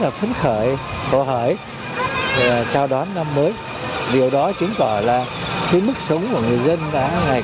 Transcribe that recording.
là phấn khởi khổ hởi và chào đón năm mới điều đó chứng tỏ là cái mức sống của người dân đã ngày